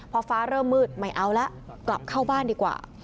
พอฟ้าเริ่มมืดไม่เอาแล้วกลับเข้าบ้านดีกว่า